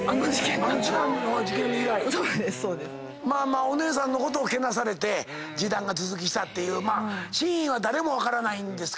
ジダンの事件以来⁉お姉さんのことをけなされてジダンが頭突きしたっていう真意は誰も分からないんですけども。